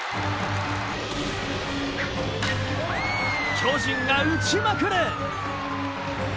巨人が打ちまくる！